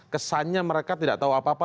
kesannya mereka tidak tahu apa apa